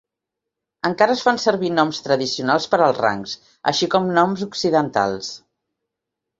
Encara es fan servir noms tradicionals per als rangs, així com noms occidentals.